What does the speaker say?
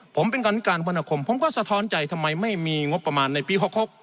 ผมเป็นการพนคมผมก็สะท้อนใจทำไมไม่มีงบประมาณในปี๖๖